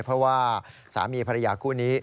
เพราะว่าสามีภรรยาคู่นี้